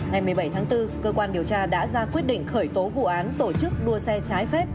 ngày một mươi bảy tháng bốn cơ quan điều tra đã ra quyết định khởi tố vụ án tổ chức đua xe trái phép